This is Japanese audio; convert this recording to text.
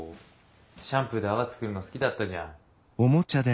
シャンプーで泡作るの好きだったじゃん。